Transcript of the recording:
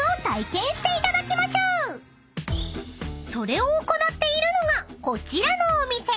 ［それを行っているのがこちらのお店］